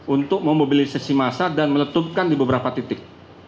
untuk memobilisasi massa dan meletupkan di beberapa titik